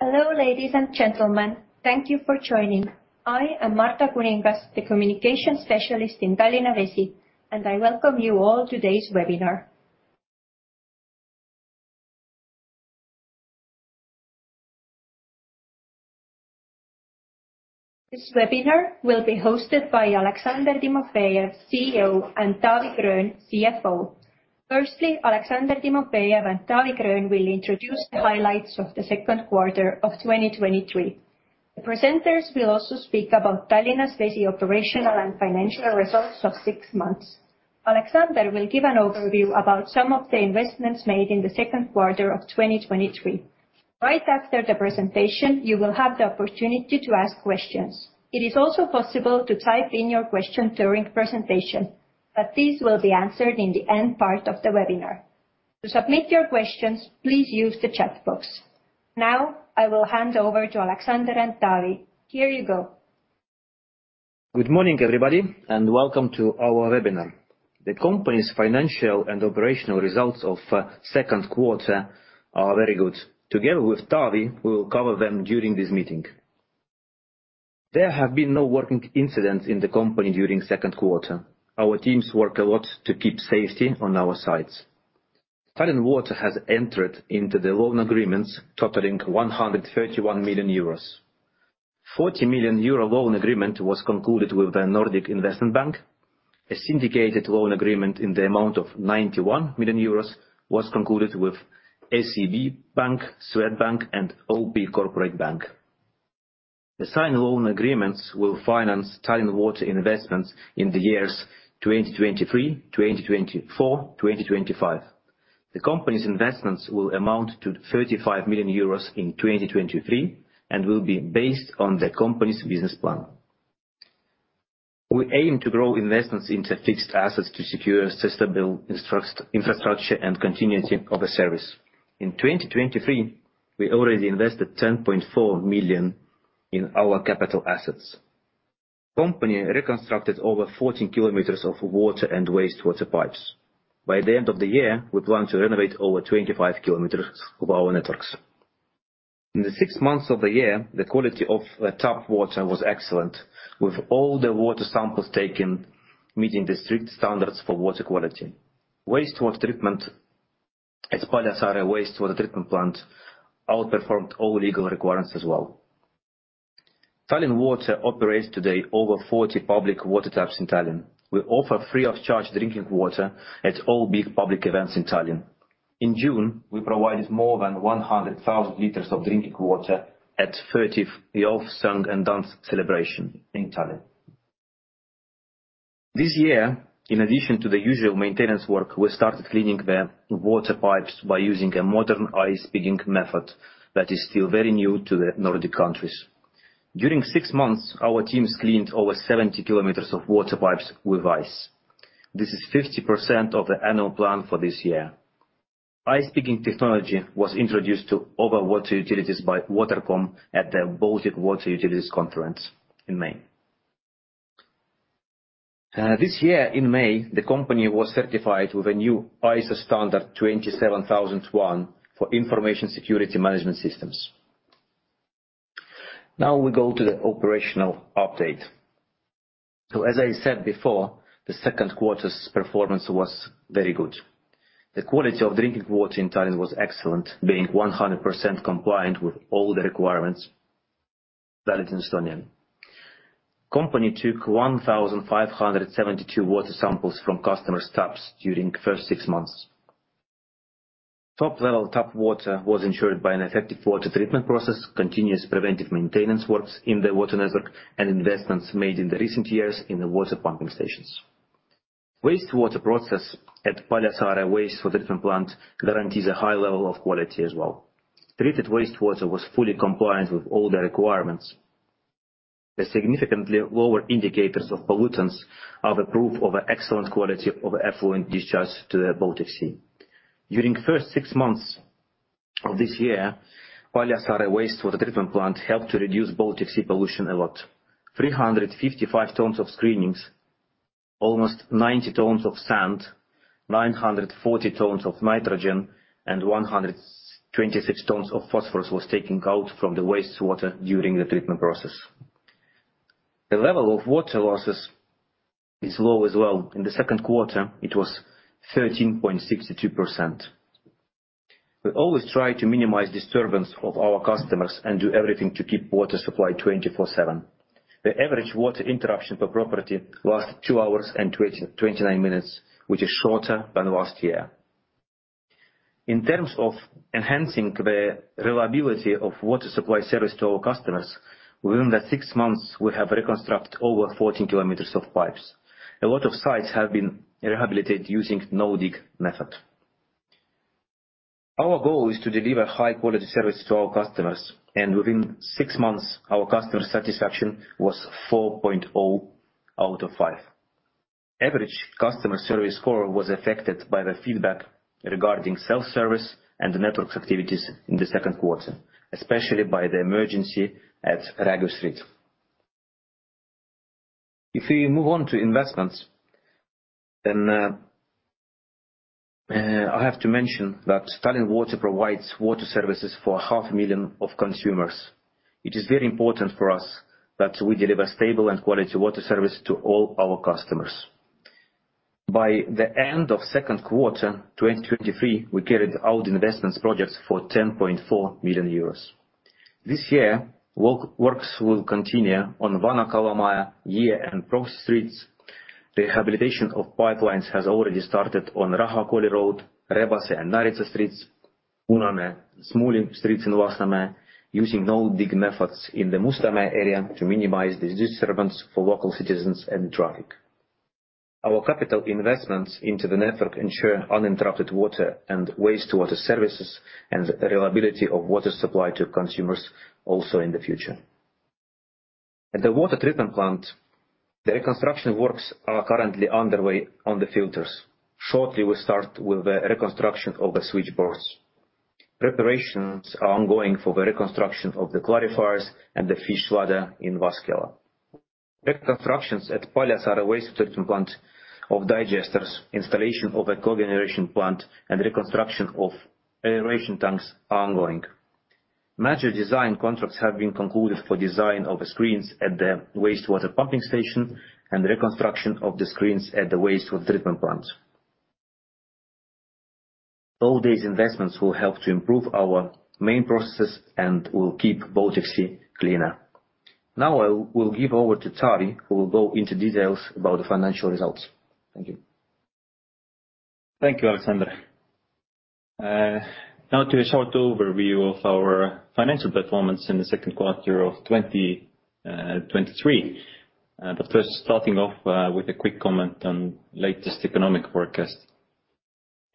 Hello, ladies and gentlemen. Thank you for joining. I am Marta Kuningas, the Communication Specialist in Tallinna Vesi, and I welcome you all to today's webinar. This webinar will be hosted by Aleksandr Timofejev, CEO, and Taavi Gröön, CFO. Firstly, Aleksandr Timofejev and Taavi Gröön will introduce the highlights of the second quarter of 2023. The presenters will also speak about Tallinna Vesi operational and financial results of 6 months. Aleksandr will give an overview about some of the investments made in the second quarter of 2023. Right after the presentation, you will have the opportunity to ask questions. It is also possible to type in your question during presentation, but these will be answered in the end part of the webinar. To submit your questions, please use the chat box. Now, I will hand over to Aleksandr and Taavi. Here you go. Good morning, everybody, and welcome to our webinar. The company's financial and operational results of second quarter are very good. Together with Taavi, we will cover them during this meeting. There have been no working incidents in the company during second quarter. Our teams work a lot to keep safety on our sites. Tallinn Water has entered into the loan agreements totaling 131 million euros. 40 million euro loan agreement was concluded with the Nordic Investment Bank. A syndicated loan agreement in the amount of 91 million euros was concluded with SEB Bank, Swedbank, and OP Corporate Bank. The signed loan agreements will finance Tallinn Water investments in the years 2023, 2024, 2025. The company's investments will amount to 35 million euros in 2023 and will be based on the company's business plan. We aim to grow investments into fixed assets to secure a sustainable infrastructure and continuity of the service. In 2023, we already invested 10.4 million in our capital assets. Company reconstructed over 14 kilometers of water and wastewater pipes. By the end of the year, we plan to renovate over 25 kilometers of our networks. In the 6 months of the year, the quality of the tap water was excellent, with all the water samples taken meeting the strict standards for water quality. Wastewater treatment at Paljassaare Wastewater Treatment Plant outperformed all legal requirements as well. Tallinn Water operates today over 40 public water taps in Tallinn. We offer free of charge drinking water at all big public events in Tallinn. In June, we provided more than 100,000 liters of drinking water at 30th Song and Dance Celebration in Tallinn. This year, in addition to the usual maintenance work, we started cleaning the water pipes by using a modern ice pigging method that is still very new to the Nordic countries. During six months, our teams cleaned over 70 km of water pipes with ice. This is 50% of the annual plan for this year. Ice pigging technology was introduced to other water utilities by Watercom at the Baltic Water Utilities Conference in May. This year in May, the company was certified with a new ISO standard, 27001, for information security management systems. Now, we go to the operational update. As I said before, the second quarter's performance was very good. The quality of drinking water in Tallinn was excellent, being 100% compliant with all the requirements valid in Estonia. Company took 1,572 water samples from customers' taps during first 6 months. Top-level tap water was ensured by an effective water treatment process, continuous preventive maintenance works in the water network, and investments made in the recent years in the water pumping stations. Wastewater process at Paljassaare Wastewater Treatment Plant guarantees a high level of quality as well. Treated wastewater was fully compliant with all the requirements. The significantly lower indicators of pollutants are the proof of excellent quality of effluent discharge to the Baltic Sea. During the first 6 months of this year, Paljassaare Wastewater Treatment Plant helped to reduce Baltic Sea pollution a lot. 355 tons of screenings, almost 90 tons of sand, 940 tons of nitrogen, and 126 tons of phosphorus was taken out from the wastewater during the treatment process. The level of water losses is low as well. In the second quarter, it was 13.62%. We always try to minimize disturbance of our customers and do everything to keep water supply 24/7. The average water interruption per property lasts 2 hours and 29 minutes, which is shorter than last year. In terms of enhancing the reliability of water supply service to our customers, within the six months, we have reconstructed over 14 kilometers of pipes. A lot of sites have been rehabilitated using no-dig method. Our goal is to deliver high-quality service to our customers, and within six months, our customer satisfaction was 4.0 out of 5. Average customer service score was affected by the feedback regarding self-service and the network's activities in the second quarter, especially by the emergency at Rägu Street. If we move on to investments, I have to mention that Tallinn Water provides water services for half million of consumers. It is very important for us that we deliver stable and quality water service to all our customers. By the end of second quarter, 2023, we carried out investments projects for 10.4 million euros. This year, works will continue on Vana-Kalamaja, Jõe and Pronksi streets. Rehabilitation of pipelines has already started on Rahakooli Road, Rebase and Naritsa streets, Punane, Smuuli streets in Lasnamäe, using no-dig methods in the Mustamäe area to minimize the disturbance for local citizens and traffic. Our capital investments into the network ensure uninterrupted water and wastewater services and the reliability of water supply to consumers also in the future. At the water treatment plant, the reconstruction works are currently underway on the filters. Shortly, we start with the reconstruction of the switchboards. Preparations are ongoing for the reconstruction of the clarifiers and the fish ladder in Vaskjala. Reconstruction at Paljassaare Wastewater Treatment Plant of digesters, installation of a cogeneration plant, and reconstruction of aeration tanks are ongoing. Major design contracts have been concluded for design of the screens at the wastewater pumping station and the reconstruction of the screens at the wastewater treatment plant. All these investments will help to improve our main processes and will keep Baltic Sea cleaner. Now, I will give over to Taavi, who will go into details about the financial results. Thank you. Thank you, Aleksandr. Now to a short overview of our financial performance in the second quarter of 2023. First, starting off with a quick comment on latest economic forecast.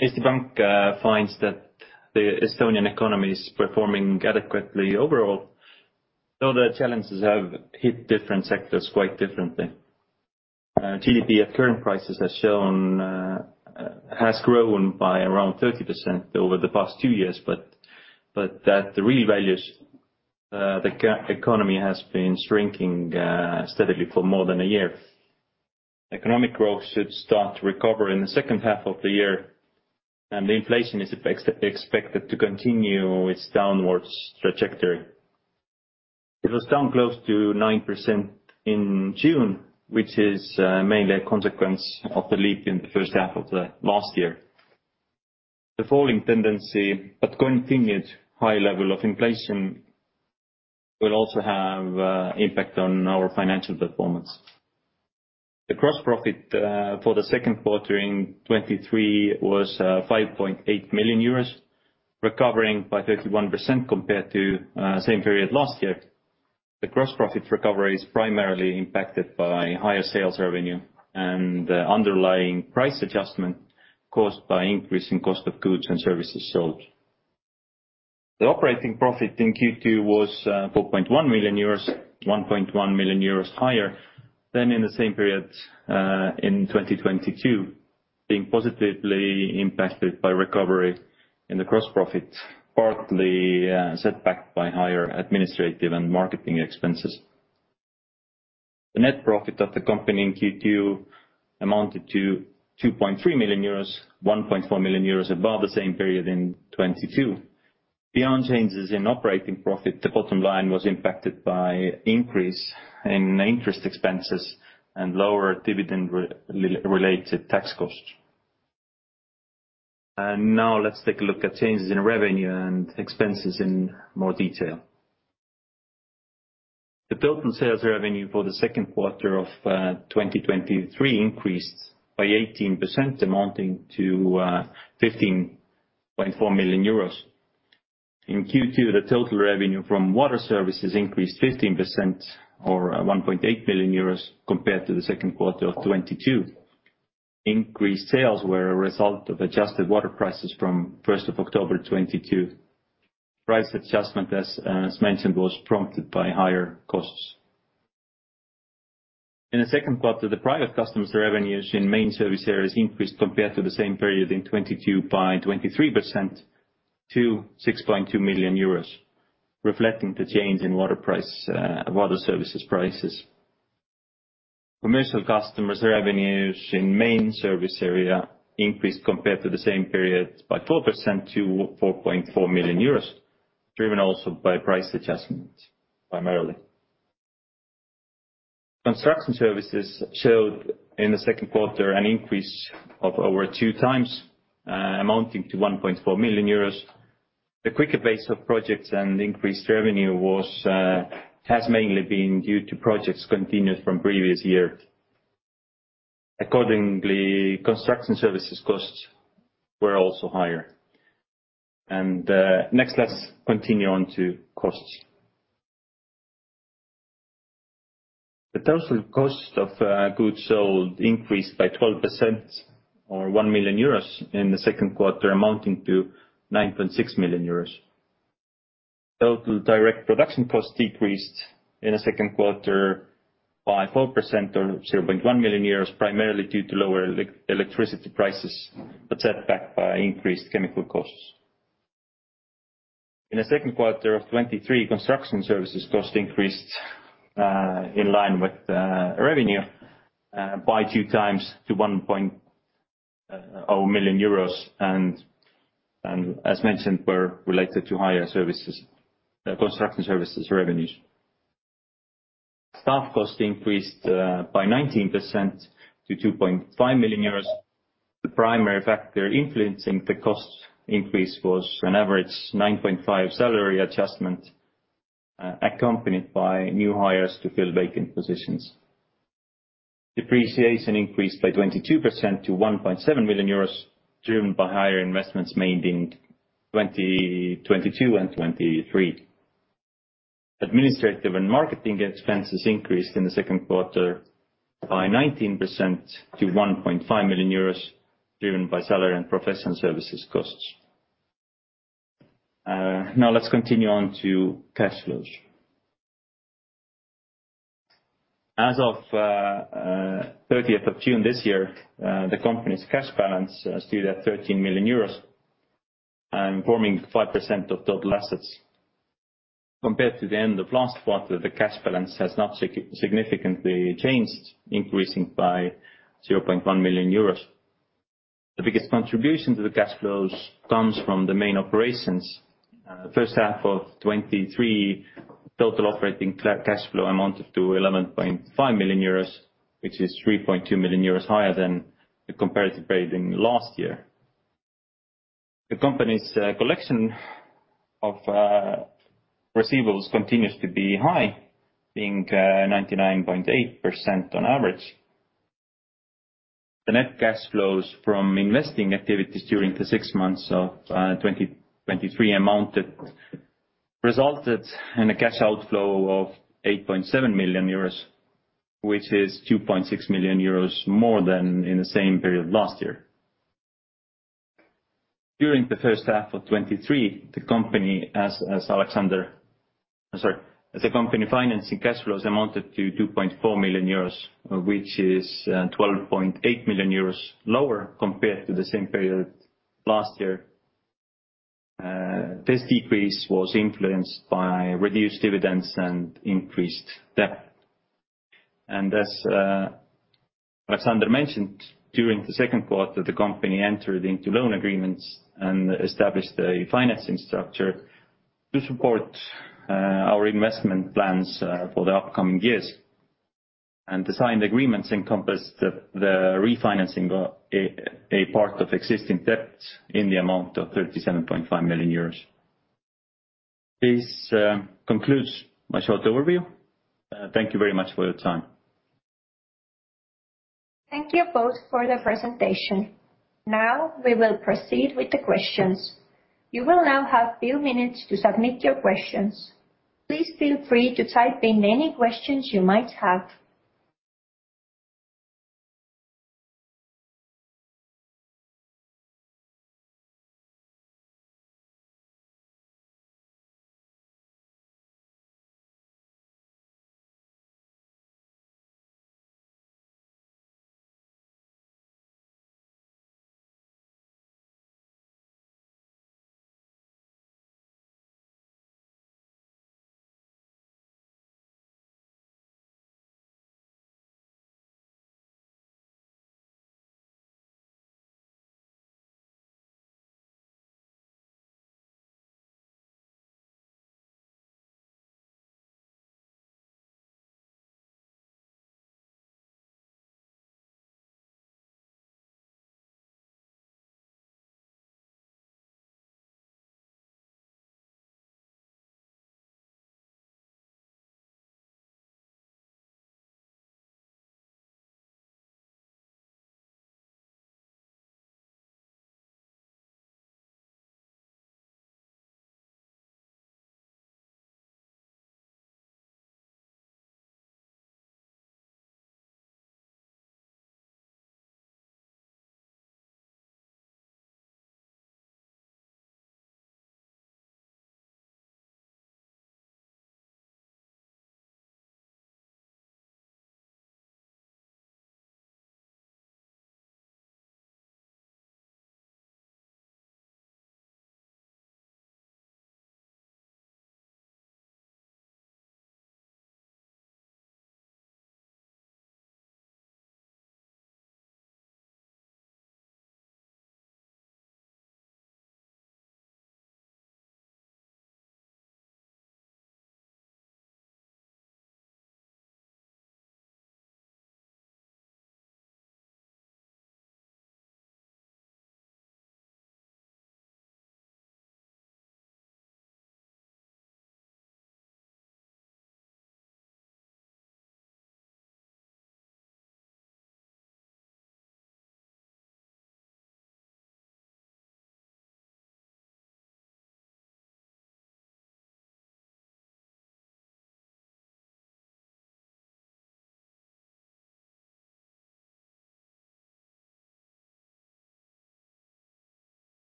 SEB Bank finds that the Estonian economy is performing adequately overall, though the challenges have hit different sectors quite differently. GDP at current prices has shown, has grown by around 30% over the past two years, but that the real values, the economy has been shrinking steadily for more than a year. Economic growth should start to recover in the second half of the year, and the inflation is expected to continue its downward trajectory. It was down close to 9% in June, which is mainly a consequence of the leap in the first half of the last year. The falling tendency, but continued high level of inflation, will also have impact on our financial performance. The gross profit for the second quarter in 2023 was 5.8 million euros, recovering by 31% compared to same period last year. The gross profit recovery is primarily impacted by higher sales revenue and the underlying price adjustment caused by increase in cost of goods and services sold. The operating profit in Q2 was 4.1 million euros, 1.1 million euros higher than in the same period in 2022, being positively impacted by recovery in the gross profit, partly set back by higher administrative and marketing expenses. The net profit of the company in Q2 amounted to 2.3 million euros, 1.4 million euros above the same period in 2022. Beyond changes in operating profit, the bottom line was impacted by increase in interest expenses and lower dividend related tax costs. Now let's take a look at changes in revenue and expenses in more detail. The total sales revenue for the second quarter of 2023 increased by 18%, amounting to 15.4 million euros. In Q2, the total revenue from water services increased 15% or 1.8 million euros compared to the second quarter of 2022. Increased sales were a result of adjusted water prices from October 1, 2022. Price adjustment, as mentioned, was prompted by higher costs. In the second quarter, the private customers' revenues in main service areas increased compared to the same period in 2022 by 23% to 6.2 million euros, reflecting the change in water price, water services prices. Commercial customers' revenues in main service area increased compared to the same period by 4% to 4.4 million euros, driven also by price adjustments, primarily. Construction services showed in the second quarter an increase of over 2 times, amounting to 1.4 million euros. The quicker pace of projects and increased revenue was, has mainly been due to projects continued from previous year. Accordingly, construction services costs were also higher. Next, let's continue on to costs. The total cost of goods sold increased by 12% or 1 million euros in the second quarter, amounting to 9.6 million euros. Total direct production costs decreased in the second quarter by 4%, or 0.1 million euros, primarily due to lower electricity prices, but set back by increased chemical costs. The second quarter of 2023 construction services cost increase in line with the revenue buy 2x to 1.0 million euros and as mentioned related to higher services, construction services revenue stock cost increase by 19% to 2.5 million euros the primary effect influencing the cost increase was labor cost 1.5 salary adjustment accompanied by new higher- depreciation increased by 22% to 1.7 million euros due by higher investments made in 2022 and 2023 administrative and marketing expenses increased in the second quarter by 19% to 1.5 million euros driven by salary and profession services cost. Now let's continue to cash flows as of 30th of June this year the company's cash balance is at 13 million euros forming 5% of total assets compared to the last quarter the cash balance has significantly changed increased by 0.1 million euros. The biggest contributions to the cash flows comes from the main operations first half of 2023 total operating cash flow amounted to 11.5 million euros it is 2.3 million euros higher than compared to last year. The company's collection of a receivables continues to be high I think 99.8% on average. The net cash flows from investing activities during to six months of 2023 amount, resulted on a cash outflow of 8.7 million euros which is 2.6 million euros more than in the period last year. During the first half of 2023 the company- the company finance in cash flows amounted to 2.4 million euros which is 12.8 million euros lower compared to the same period last year. This feat was influenced by reduce dividends and increase depth and that's under mentioned during the second quarter the company entered to loan agreements and established financing structure to support our investment plans for the coming years and design agreements in compass of the refinancing a part of existing debt in the amount of 37.5 million euros. This concludes my shorter review. Thank you very much for you time. Thank you for the presentation. Now we will proceed with the questions, you will now have few minutes to submit your questions. Please feel free to type in many questions you might have.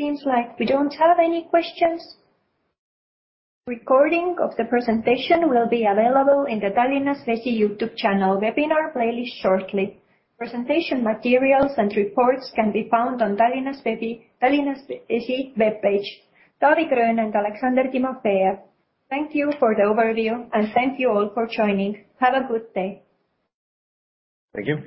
Seems like we don't have any questions. Recording of the presentation will be available in the Tallinna Vesi YouTube channel webinar playlist shortly. Presentation materials and reports can be found on Tallinna Vesi, Tallinna Vesi webpage. Taavi Gröön and Aleksandr Timofejev, thank you for the overview, and thank you all for joining. Have a good day! Thank you.